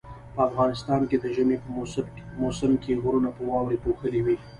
په افغانستان کې د ژمي په موسم کې غرونه په واوري پوښلي وي